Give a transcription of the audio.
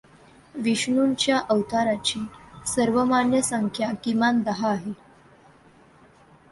विष्णूच्या अवतारांची सर्वमान्य संख्या किमान दहा आहे.